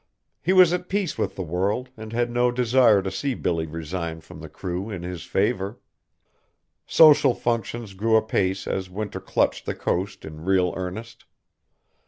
He was at peace with the world and had no desire to see Billy resign from the crew in his favor. Social functions grew apace as winter clutched the coast in real earnest.